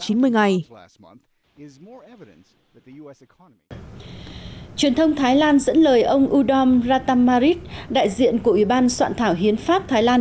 truyền thông thái lan dẫn lời ông udom ratam marid đại diện của ủy ban soạn thảo hiến pháp thái lan